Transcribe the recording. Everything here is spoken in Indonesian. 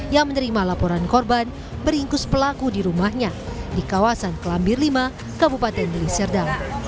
yang menerima laporan korban meringkus pelaku di rumahnya di kawasan kelambir lima kabupaten deliserdang